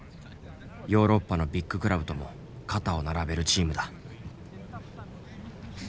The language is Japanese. ヨーロッパのビッグクラブとも肩を並べるチームだ。